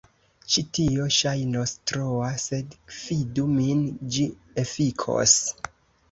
Ĉi tio ŝajnos troa sed fidu min, ĝi efikos.